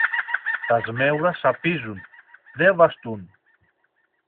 Τα σμέουρα σαπίζουν, δε βαστούν!